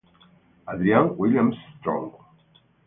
Adrian Williams-Strong